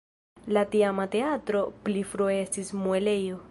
La tiama teatro pli frue estis muelejo.